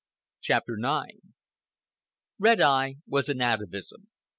CHAPTER IX Red Eye was an atavism.